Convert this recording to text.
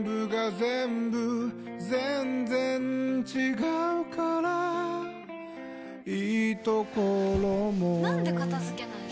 全然違うからいいところもなんで片付けないの？